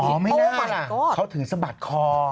โอ้ไม่น่าล่ะเขาถึงสะบัดคอ